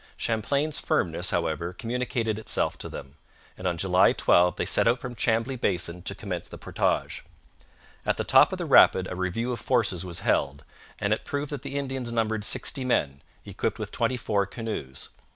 Champlain's firmness, however, communicated itself to them, and on July 12 they set out from Chambly Basin to commence the portage. At the top of the rapid a review of forces was held, and it proved that the Indians numbered sixty men, equipped with twenty four canoes.